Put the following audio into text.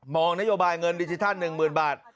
มองนโยบายเงินดิจิทัล๑หมื่นบาท